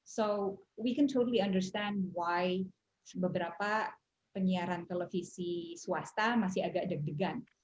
so we can totally understand why beberapa penyiaran televisi swasta masih agak deg degan